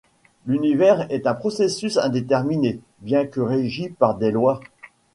L'univers est un processus indéterminé, bien que régi par des lois.